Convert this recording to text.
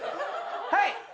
はい。